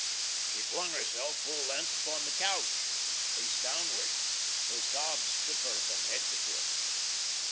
She flung herself full length upon the couch, face downward. Her sobs shook her from head to foot.